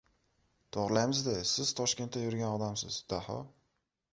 — To‘g‘rilaymiz-da. Siz Toshkentda yurgan odamsiz, Daho.